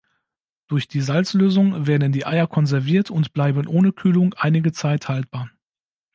Durch die Salzlösung werden die Eier konserviert und bleiben ohne Kühlung einige Zeit haltbar.